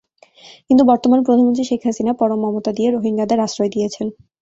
কিন্তু বর্তমান প্রধানমন্ত্রী শেখ হাসিনা পরম মমতা দিয়ে রোহিঙ্গাদের আশ্রয় দিয়েছেন।